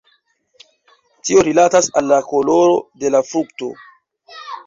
Tio rilatas al la koloro de la frukto.